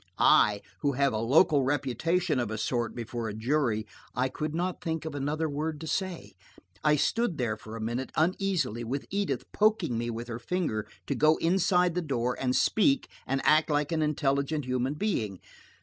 I, who have a local reputation of a sort before a jury, I could not think of another word to say. I stood there for a minute uneasily, with Edith poking me with her finger to go inside the door and speak and act like an intelligent human being.